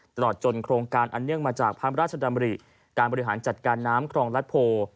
ตลอดจนโครงการอันเนื่องมาจากพระราชดำริการบริหารจัดการน้ำครองรัฐโพ